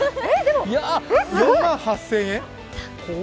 ４万８０００円。